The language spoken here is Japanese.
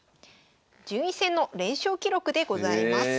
順位戦の連勝記録でございます。